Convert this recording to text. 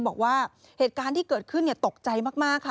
บอกว่าเหตุการณ์ที่เกิดขึ้นตกใจมากค่ะ